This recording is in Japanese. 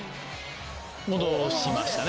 戻しましたね。